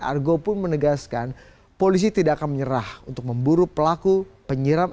argo pun menegaskan polisi tidak akan menyerah untuk memburu pelaku penyiraman